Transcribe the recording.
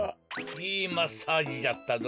いいマッサージじゃったぞ。